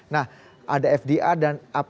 nah ada fdr dan